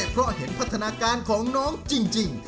เพราะเห็นพัฒนาการของน้องจริง